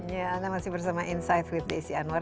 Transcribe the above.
ya anda masih bersama insight with desi anwar